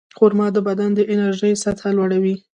خرما د بدن د انرژۍ سطحه لوړوي.